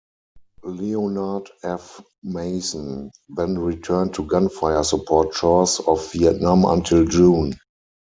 "Leonard F. Mason" then returned to gunfire support chores off Vietnam until June.